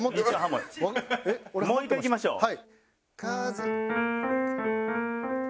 もう１回いきましょう。